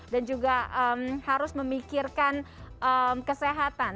dan juga harus memikirkan kesehatan